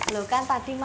lo kan tadi mbak